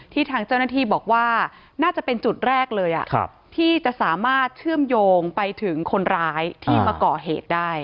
ทางเจ้าหน้าที่บอกว่าน่าจะเป็นจุดแรกเลยที่จะสามารถเชื่อมโยงไปถึงคนร้ายที่มาก่อเหตุได้